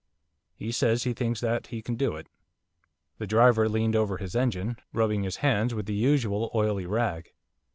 He says he thinks that he can do it.' The driver leaned over his engine, rubbing his hands with the usual oily rag.